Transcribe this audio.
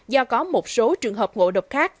do có một số trường hợp ngộ độc khác